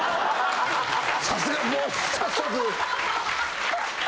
さすがもう早速。